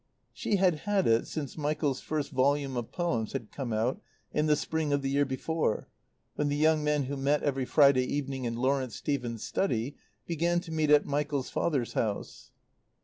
She had had it since Michael's first volume of Poems had come out in the spring of the year before, when the young men who met every Friday evening in Lawrence Stephen's study began to meet at Michael's father's house.